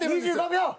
２５秒！